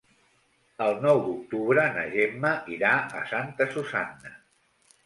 El nou d'octubre na Gemma irà a Santa Susanna.